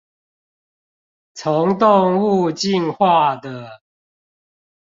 從動物進化的